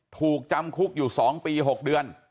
ถูกจำคุกอยู่๒ปี๖เดือน